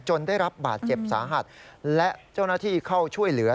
ได้รับบาดเจ็บสาหัสและเจ้าหน้าที่เข้าช่วยเหลือ